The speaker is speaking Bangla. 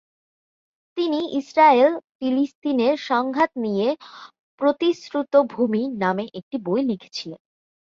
তিনি ইস্রায়েল-ফিলিস্তিনের সংঘাত নিয়ে "প্রতিশ্রুত ভূমি" নামে একটি বই লিখেছিলেন।